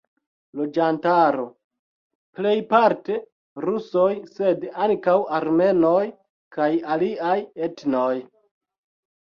Loĝantaro: plejparte rusoj, sed ankaŭ armenoj kaj aliaj etnoj.